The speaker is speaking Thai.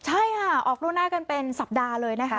ใช่ค่ะออกล่วงหน้ากันเป็นสัปดาห์เลยนะคะ